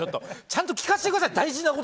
ちゃんと聞かせてください。